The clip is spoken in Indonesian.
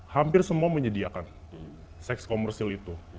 hampir semua menyediakan seks komersil itu